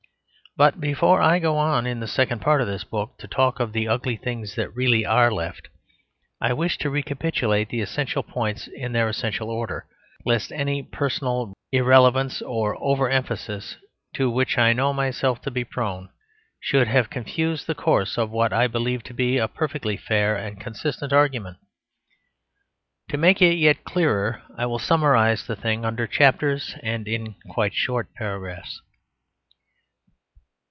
But before I go on, in the second part of this book, to talk of the ugly things that really are left, I wish to recapitulate the essential points in their essential order, lest any personal irrelevance or over emphasis (to which I know myself to be prone) should have confused the course of what I believe to be a perfectly fair and consistent argument. To make it yet clearer, I will summarise the thing under chapters, and in quite short paragraphs.